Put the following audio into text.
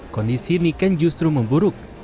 kondisi niken justru memburuk